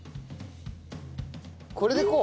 これでこう？